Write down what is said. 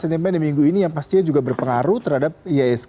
sentimen di minggu ini yang pastinya juga berpengaruh terhadap iasg